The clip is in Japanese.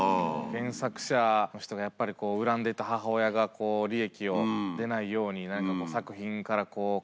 原作者の人がやっぱり恨んでた母親が利益を出ないように。